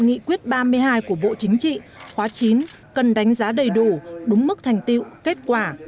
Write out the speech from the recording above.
nghị quyết ba mươi hai của bộ chính trị khóa chín cần đánh giá đầy đủ đúng mức thành tiệu kết quả